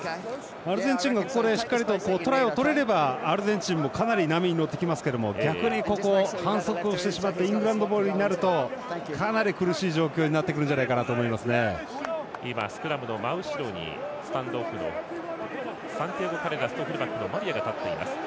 アルゼンチンがここでしっかりとトライをとれればアルゼンチンもかなり波に乗ってきますが、逆にここ反則をしてしまってイングランドボールになるとかなり苦しい状況にスクラムの真後ろにスクラムハーフのサンティアゴ・カレラスとフルバックのマリアが立っています。